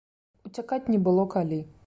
Уцякаць не было калі.